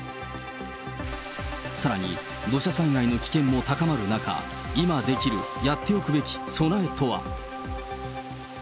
さらに土砂災害の危険も高まる中、今できる、やっておくべき備えとは。